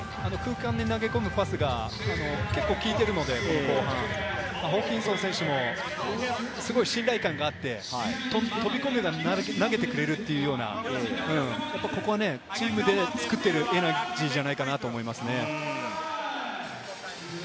先ほど富樫選手でしたけど、空間に投げ込むパスが結構効いているので、後半、ホーキンソン選手もすごい信頼感があって、飛び込めば投げてくれるというような、ここはチームで作っているエナジーじゃないかなと思いますね。